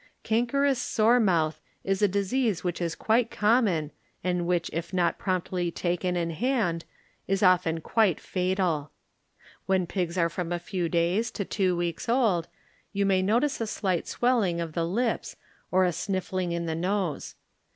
Cankerous Sore Mouth is a disease which is quite common and which if not promptly taken in hand is often quite fatal. When pigs are from a few days to two weeks old, you may notice a slight swelling of the lips or a sniffling in the nose.